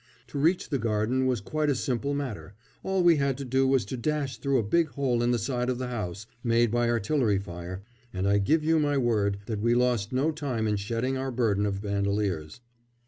To reach the garden was quite a simple matter all we had to do was to dash through a big hole in the side of the house, made by artillery fire, and I give you my word that we lost no time in shedding our burden of bandoliers.